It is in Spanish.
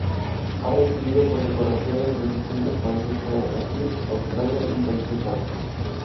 Ha recibido condecoraciones de distintos países como Brasil, Austria y Países Bajos.